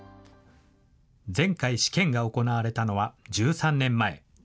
前回、試験が行われたのは１３年前。